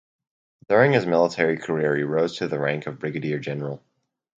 During his military career he rose to the rank of Brigadier general.